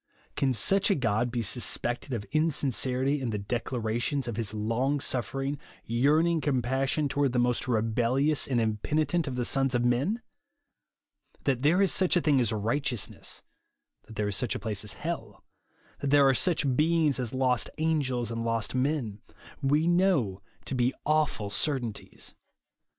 Can such a God be suspected of insincerity in the declarations of his long suffering, yerarn ing compassion toward the most rebellious and impenitent of the sons of men ? That there is such a thing as righteousness ; that there is such a place as hell ; that there are such beings as lost angels and lost men, we know to be awful certainties.